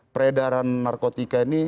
peredaran narkotika ini